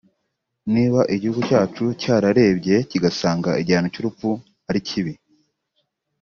Niba igihugu cyacu cyarerebye kigasanga igihano cy’urupfu ari kibi